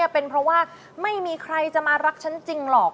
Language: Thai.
เป็นเพราะว่าไม่มีใครจะมารักฉันจริงหรอก